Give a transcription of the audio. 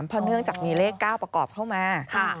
เพราะเนื่องจากมีเลข๙ประกอบเข้ามา